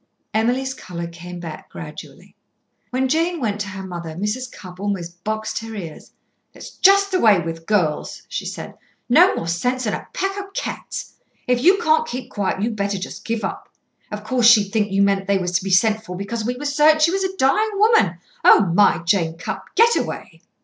Emily's colour came, back gradually. When Jane went to her mother, Mrs. Cupp almost boxed her ears. "That's just the way with girls," she said. "No more sense than a pack of cats. If you can't keep quiet you'd better just give up. Of course she'd think you meant they was to be sent for because we was certain she was a dying woman. Oh my! Jane Cupp, get away!"